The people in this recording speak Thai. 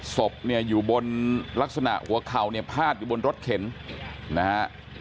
ศพเนี่ยอยู่บนลักษณะหัวเข่าเนี่ยพาดอยู่บนรถเข็นนะฮะ